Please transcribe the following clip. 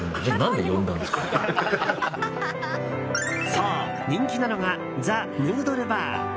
そう、人気なのがザ・ヌードル・バー。